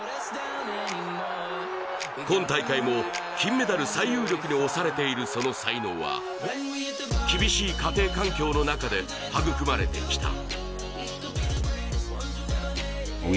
今大会も金メダル最有力に推されているその才能は厳しい家庭環境の中で育まれてきた。